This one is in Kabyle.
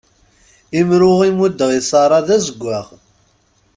Imru i muddeɣ i Sarah d azeggaɣ.